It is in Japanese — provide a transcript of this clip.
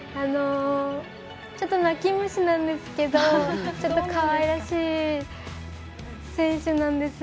ちょっと泣き虫なんですけどかわいらしい選手なんです。